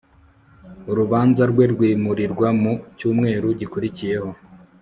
urubanza rwe rwimurirwa mu cyumweru gikurikiyeho